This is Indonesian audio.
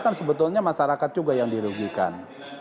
kan sebetulnya masyarakat juga yang dirugikan